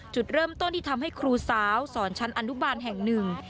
จุดเริ่มต้นที่ทำให้ครูสาวสอนชั้นอนุบาลแห่งหนึ่ง